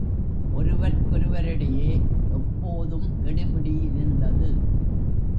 ஒருவர்க்கொருவரிடையே எப்போதும் கெடுபிடி இருந்தது.